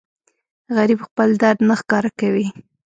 غریب خپل درد نه ښکاره کوي